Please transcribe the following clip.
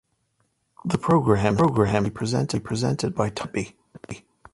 The programme is currently presented by Tom Bradby.